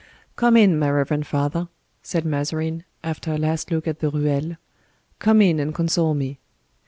"Come in, my reverend father," said Mazarin, after a last look at the ruelle, "come in and console me."